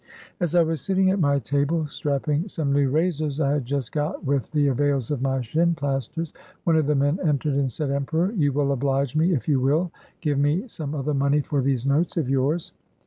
As I was sitting at my table, strapping some new razors I had just got with the avails of my 'shin plasters,' one of the men entered and said. ' Emperor, you will oblige me if you will give me some other money for these notes of yours.